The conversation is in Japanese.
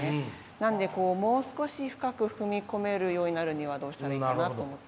なんでもう少し深く踏み込めるようになるにはどうしたらいいかなと思って。